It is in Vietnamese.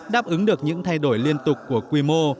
đáp ứng được những thay đổi liên tục của quy mô